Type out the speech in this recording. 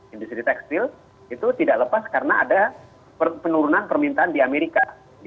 industri tekstil itu tidak lepas karena ada penurunan permintaan di amerika